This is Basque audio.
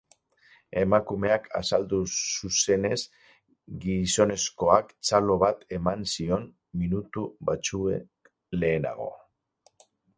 Emakumeak azaldu zuzenez, gizonezkoak txalo bat eman zion minutu batzuk lehenago.